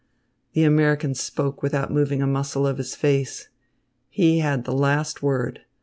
The American spoke without moving a muscle of his face. He had the last word.